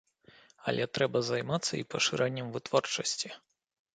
Але трэба займацца і пашырэннем вытворчасці.